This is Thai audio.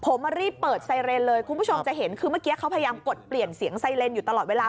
ผมรีบเปิดไซเรนเลยคุณผู้ชมจะเห็นคือเมื่อกี้เขาพยายามกดเปลี่ยนเสียงไซเรนอยู่ตลอดเวลา